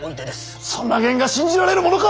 そんな言が信じられるものか！